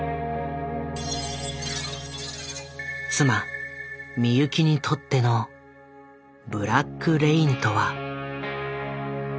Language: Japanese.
妻・美由紀にとっての「ブラック・レイン」とは。